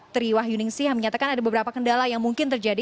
tri wahyuningsi yang menyatakan ada beberapa kendala yang mungkin terjadi